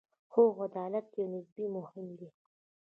خو عدالت یو نسبي مفهوم دی.